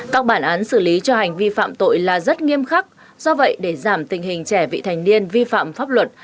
các bản án xử lý cho hành vi phạm tội là rất nghiêm khắc do vậy để giảm tình hình trẻ vị thành niên vi phạm pháp luật